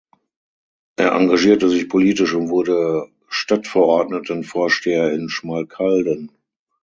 Er engagierte sich politisch und wurde Stadtverordnetenvorsteher in Schmalkalden.